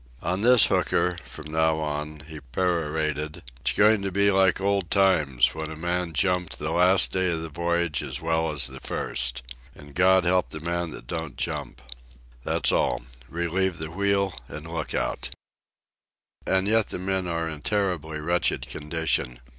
"On this hooker, from now on," he perorated, "it's going to be like old times, when a man jumped the last day of the voyage as well as the first. And God help the man that don't jump. That's all. Relieve the wheel and lookout." And yet the men are in terribly wretched condition.